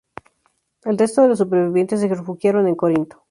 El resto de los supervivientes se refugiaron en Corinto.